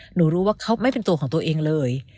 หนูรู้ว่าเขาไม่เป็นตัวของตัวเองเลย